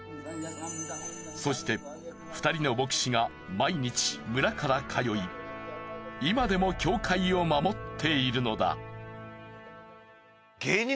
そして２人の牧師が毎日村から通い今でも教会を守っているのだ。